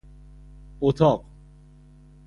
اتاق